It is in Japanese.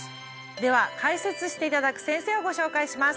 では解説していただく先生をご紹介します